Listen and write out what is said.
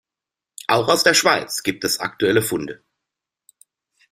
Auch aus der Schweiz gibt es aktuelle Funde.